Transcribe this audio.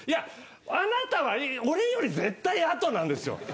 あなたは俺より絶対後なんですよ。